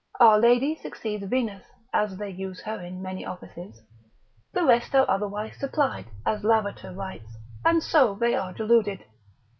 Our lady succeeds Venus (as they use her in many offices), the rest are otherwise supplied, as Lavater writes, and so they are deluded.